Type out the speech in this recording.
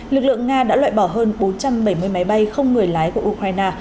lực lượng nga đã loại bỏ hơn bốn trăm bảy mươi máy bay không người lái của ukraine